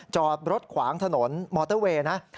จอดรถขวางถนนมอเตอร์เวย์นะ